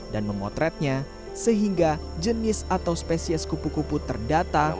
dan memotretnya sehingga jenis atau spesies kupu kupu terdata